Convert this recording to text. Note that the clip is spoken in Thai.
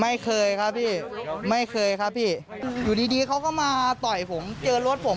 ไม่เคยครับพี่ไม่เคยครับพี่อยู่ดีดีเขาก็มาต่อยผมเจอรถผม